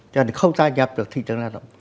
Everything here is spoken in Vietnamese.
cho nên không gia nhập được thị trường lao động